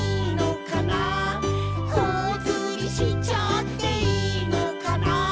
「ほおずりしちゃっていいのかな」